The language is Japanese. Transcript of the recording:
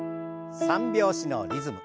３拍子のリズム。